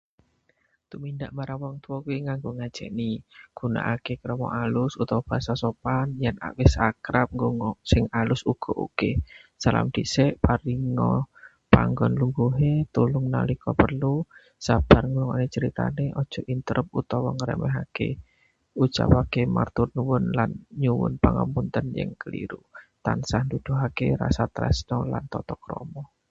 Tumindak marang wong tuwa kuwi nganggo ngajeni: gunakake krama alus utawa basa sopan, yen wis akrab ngoko sing alus uga oke. Salam dhisik, paringa panggon lungguhe, tulung nalika perlu, sabar ngrungokake critane, aja interrupt utawa ngremehke, ucapake matur nuwun lan nyuwun pangapunten yen keliru. Tansah nuduhake rasa tresna lan tata krama.